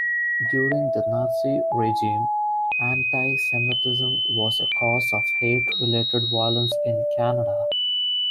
During the Nazi regime, anti-Semitism was a cause of hate related violence in Canada.